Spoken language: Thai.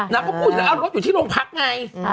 นางก็คุยแล้วเอารถอยู่ที่โรงพักไง